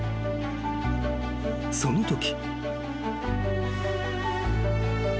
［そのとき］